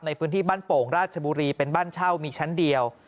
ในพื้นที่บ้านโป่งราชบุรีเป็นบ้านเช่ามีชั้นเดียว